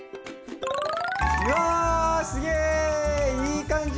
うわすげいい感じ。